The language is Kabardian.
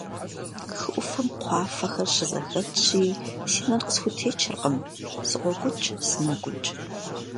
Хы Ӏуфэм кхъуафэхэр щызэхэтщи, си нэр къысхутечыркъым: сыкъокӀукӀ-сынокӀукӀ.